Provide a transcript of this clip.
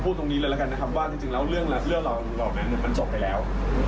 ตรงนี้เลยแล้วกันนะครับว่าจริงแล้วเรื่องเหล่านั้นมันจบไปแล้ว